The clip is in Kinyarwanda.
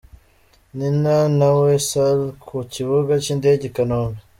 Nina na weasal ku kibuga cy'indege i Kanombe.